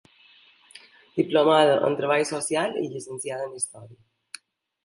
Diplomada en Treball Social i Llicenciada en Història.